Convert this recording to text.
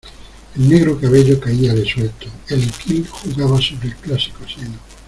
el negro cabello caíale suelto, el hipil jugaba sobre el clásico seno.